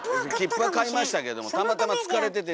切符は買いましたけどもたまたま疲れてて寝てはった。